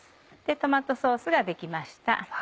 トマトソースができました。